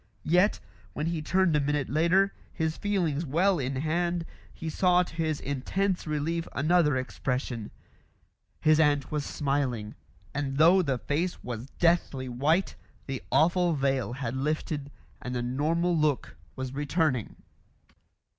Yet, when he turned a minute later, his feelings well in hand, he saw to his intense relief another expression; his aunt was smiling, and though the face was deathly white, the awful veil had lifted and the normal look was returning.